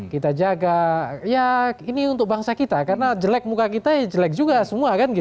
kita jaga ya ini untuk bangsa kita karena jelek muka kita ya jelek juga semua kan gitu